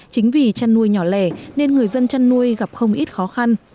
chính vì chăn nuôi nhỏ lẻ nên người dân chăn nuôi gặp không ít khó khăn